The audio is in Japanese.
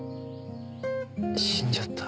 死んじゃった？